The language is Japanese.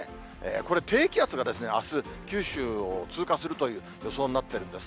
これ、低気圧があす、九州を通過するという予想になってるんです。